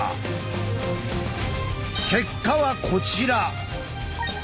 結果はこちら。